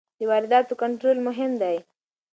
د وارداتو کنټرول مهم دی.